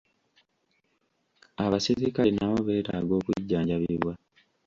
Abaserikale nabo beetaaga okujjanjabibwa